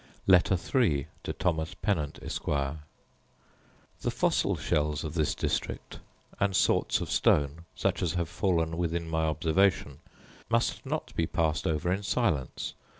Letter III To Thomas Pennant, Esquire The fossil shells of this district, and sorts of stone, such as have fallen within my observation, must not be passed over in silence.